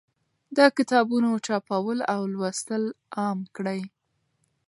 د کتابونو چاپول او لوستل عام کړئ.